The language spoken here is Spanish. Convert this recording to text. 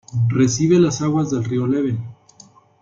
Recibe las aguas del río Leven.